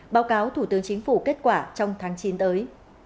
báo cáo thủ tướng chính phủ kết quả trong tháng chín tới